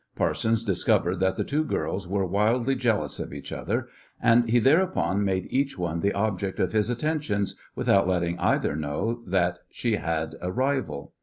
Parsons discovered that the two girls were wildly jealous of each other, and he thereupon made each one the object of his attentions without letting either know that she had a rival.